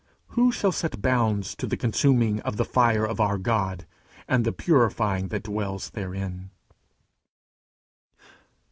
Who shall set bounds to the consuming of the fire of our God, and the purifying that dwells therein?